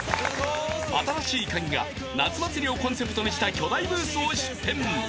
［『新しいカギ』が夏祭りをコンセプトにした巨大ブースを出店］